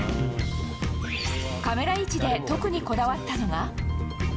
カメラ位置で特にこだわったのが。